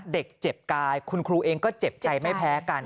เด็กเจ็บกายคุณครูเองก็เจ็บใจไม่แพ้กัน